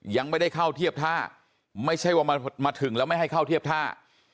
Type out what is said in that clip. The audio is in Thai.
ยังไม่ได้เข้าเทียบท่าไม่ใช่ว่ามาถึงแล้วไม่ให้เข้าเทียบท่า